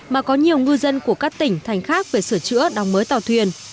mà có nhiều ngư dân của các tỉnh thành khác về sửa chữa đóng mới tàu thuyền